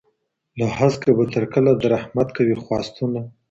له هسکه به تر کله د رحمت کوی خواستونه